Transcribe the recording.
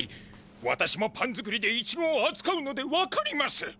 わたしもパン作りでイチゴをあつかうので分かります。